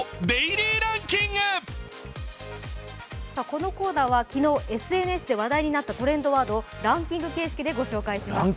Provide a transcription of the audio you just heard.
このコーナーは昨日、ＳＮＳで話題になったトレンドワードをランキング形式でご紹介します。